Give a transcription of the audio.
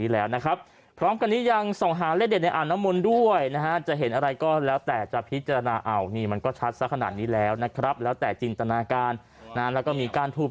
แล้วขนาดนี้แล้วนะครับแล้วแต่จินตนาการน้ำแล้วก็มีก้านทูบ